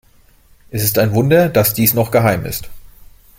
Es ist ein Wunder, dass dies noch geheim ist.